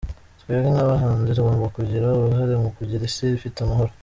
Twebwe nk’abahanzi tugomba kugira uruhare mu kugira isi ifite amahoro.